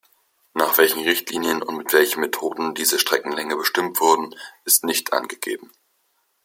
Nach welchen Richtlinien und mit welchen Methoden diese Streckenlänge bestimmt wurden, ist nicht angegeben.